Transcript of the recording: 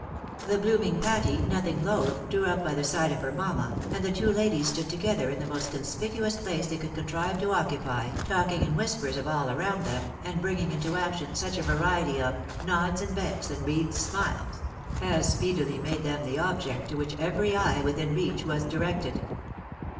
The blooming Patty, nothing loath, drew up by the side of her mamma, and the two ladies stood together in the most conspicuous place they could contrive to occupy, talking in whispers of aU around them, and bringing into action such a variety of Nods, and becks, and wreathed smiles, as speedily made them the object to whicli every eye within reach was directed.